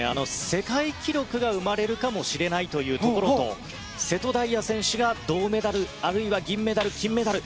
世界記録が生まれるかもしれないというところと瀬戸大也選手が銅メダルあるいは銀メダル、金メダル。